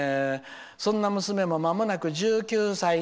そんな娘もまもなく１９歳。